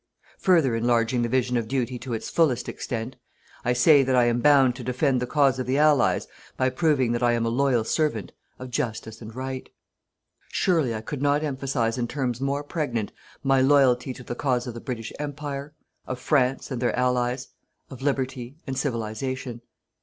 Further enlarging the vision of duty to its fullest extent, I say that I am bound to defend the cause of the Allies by proving that I am a loyal servant of Justice and Right. Surely I could not emphasize in terms more pregnant my loyalty to the cause of the British Empire, of France, and their Allies, of Liberty and Civilization.